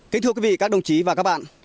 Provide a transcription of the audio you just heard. kính thưa quý vị các đồng chí và các bạn